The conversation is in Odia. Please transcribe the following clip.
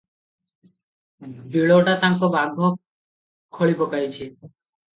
ବିଳଟା ତାଙ୍କ ବାଘ ଖୋଳିପକାଇଛି ।